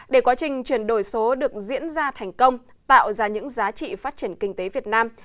để quá trình chuyển đổi số được diễn ra thành công tạo ra những giá trị phát triển kinh tế việt nam